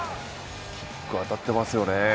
キック、当たってますよね。